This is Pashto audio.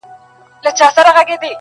پر نرۍ لښته زنګېده- اخیر پرېشانه سوله-